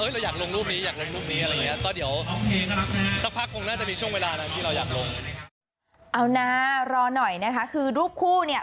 เราอยากลงรูปนี้อยากลงรูปนี้อะไรอย่างเงี้ย